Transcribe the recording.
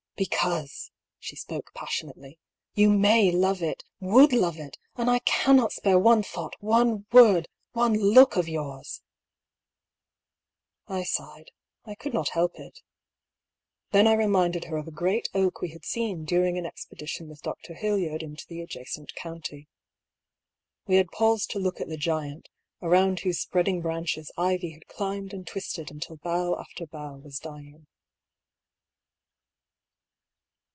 " Because," she spoke passionately, " you may love it — ^would love it ; and I cannot spare one thought, one word, one look of yours !" I sighed, I could not help it. Then I reminded her of a great oak we had seen during an expedition with Dr. Hildyard into the adjacent county. We had paused to look at the giant, around whose spreading branches ivy had climbed and twisted until bough after bough was dying.